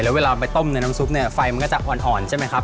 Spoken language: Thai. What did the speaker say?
แล้วเวลาไปต้มในน้ำซุปเนี่ยไฟมันก็จะอ่อนใช่ไหมครับ